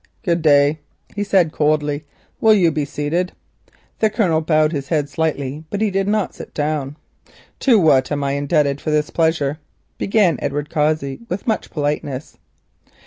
"Good day," he said coldly. "Will you be seated?" The Colonel bowed his head slightly, but he did not sit down. "To what am I indebted for the pleasure?" began Edward Cossey with much politeness.